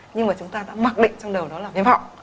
nhưng mà chúng ta đã mặc định trong đầu đó là viêm họng